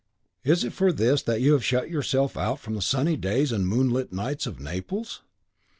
"Is it for this that you have shut yourself out from the sunny days and moonlit nights of Naples?"